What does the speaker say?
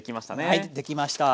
はいできました。